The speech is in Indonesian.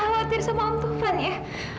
kau khawatir sama om tuhan ya